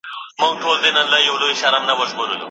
د ازموینو فشار څنګه کمیږي؟